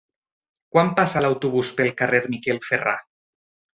Quan passa l'autobús pel carrer Miquel Ferrà?